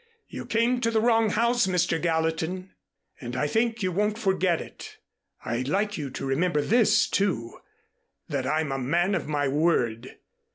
"You came to the wrong house, Mr. Gallatin, and I think you won't forget it. I'd like you to remember this, too, and I'm a man of my word.